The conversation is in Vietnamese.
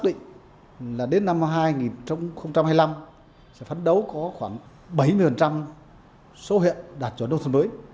tỉnh thanh hóa xác định là đến năm hai nghìn hai mươi năm sẽ phán đấu có khoảng bảy mươi số huyện đạt chuẩn nông thôn mới